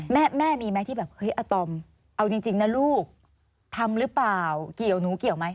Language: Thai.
แม่แม่มีไหมที่แบบเฮ้ยอาตอมเอาจริงนะลูกทำหรือเปล่าเกี่ยวหนูเกี่ยวไหม